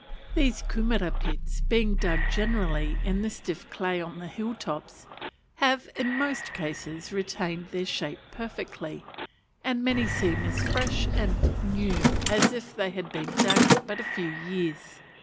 These kumera pits, being dug generally in the stiff clay on the hill tops, have, in most cases, retained their shape perfectly; and many seem as fresh and new as if they had been dug but a few years.